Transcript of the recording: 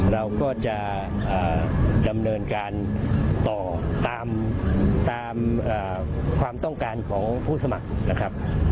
เราก็จะดำเนินการต่อตามความต้องการของผู้สมัครนะครับ